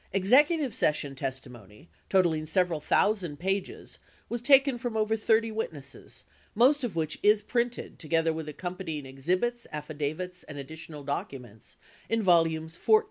Execu tive session testimony, totaling several thousand pages, was taken from over 30 witnesses most of which is printed, together with accompany ing exhibits, affidavits, and additional documents, in volumes 14 through 17 of the committee's hearings.